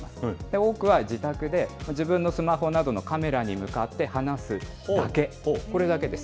多くは自宅で、自分のスマホなどのカメラに向かって話すだけ、これだけです。